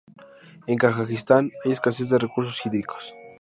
En Kazajistán hay escasez de recursos hídricos.